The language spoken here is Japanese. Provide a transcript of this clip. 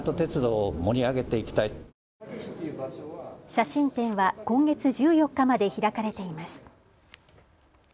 写真展は今月１４日まで開かれています。